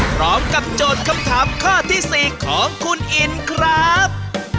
โจทย์คำถามข้อที่๔ของคุณอินครับ